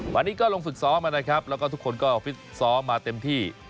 วันนี้ก็ลงฝึกซ้อมนะครับแล้วก็ทุกคนก็ฟิตซ้อมมาเต็มที่